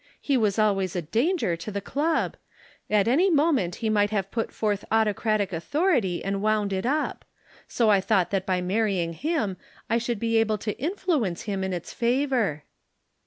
He was always a danger to the Club; at any moment he might have put forth autocratic authority and wound it up. So I thought that by marrying him I should be able to influence him in its favor."